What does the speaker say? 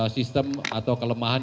sistem atau kelemahan